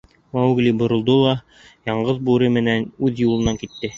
Маугли боролдо ла Яңғыҙ Бүре менән үҙ юлынан китте.